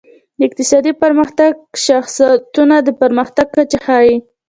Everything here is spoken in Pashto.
د اقتصادي پرمختګ شاخصونه د پرمختګ کچه ښيي.